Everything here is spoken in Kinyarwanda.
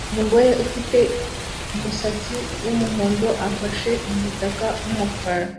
Umugore ufite umusatsi wumuhondo afashe umutaka wumukara